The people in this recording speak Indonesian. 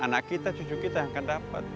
anak kita cucu kita yang akan dapat